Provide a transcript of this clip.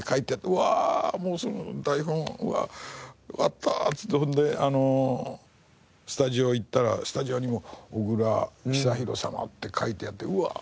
うわもうその台本をうわっていってそれでスタジオへ行ったらスタジオにも「小倉久寛様」って書いてあってうわ